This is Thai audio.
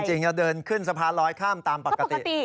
จะเดินขึ้นสะพานลอยข้ามตามปกติ